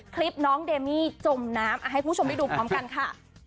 คลิปน้องเดมี่จมน้ำให้คุณผู้ชมได้ดูพร้อมกันค่ะ